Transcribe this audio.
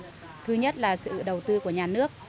và thứ hai là sự đầu tư của nhà nước